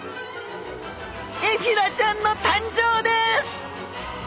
エフィラちゃんの誕生です！